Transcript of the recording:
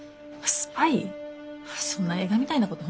そんな映画みたいなこと